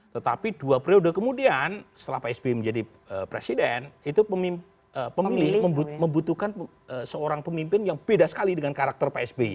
tetapi dua periode kemudian setelah pak sby menjadi presiden itu pemilih membutuhkan seorang pemimpin yang beda sekali dengan karakter pak sby